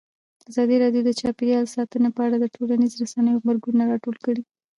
ازادي راډیو د چاپیریال ساتنه په اړه د ټولنیزو رسنیو غبرګونونه راټول کړي.